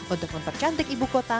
untuk mempercantik ibu kota